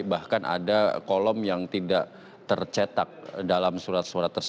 bahkan ada kolom yang tidak tercetak dalam surat suara tersebut